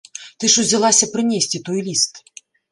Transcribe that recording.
Ты ж узялася прынесці той ліст!